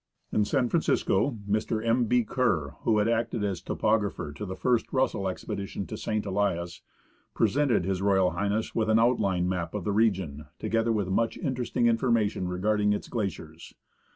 In San Francisco Mr. M. B. Kerr, who had acted as topo grapher to the first Russell expedition to St. Elias, presented H.R. H. with an outline map of the region, together with much interesting information regarding its glaciers.